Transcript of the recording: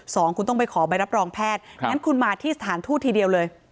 สองคุณต้องไปขอใบรับรองแพทย์งั้นคุณมาที่สถานทูตทีเดียวเลย